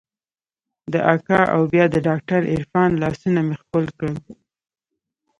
د اکا او بيا د ډاکتر عرفان لاسونه مې ښکل کړل.